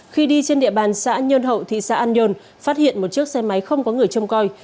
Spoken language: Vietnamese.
khi đi trên địa bàn xã nhơn hậu thị xã an nhơn phát hiện một chiếc xe máy không có người trông coi